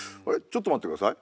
ちょっと待って下さい。